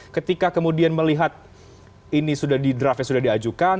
ketika kemudian melihat ini sudah di draftnya sudah diajukan